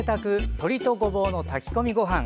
鶏とごぼうの炊き込みごはん